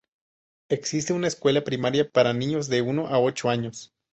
Existe una escuela primaria para niños de uno a ocho años.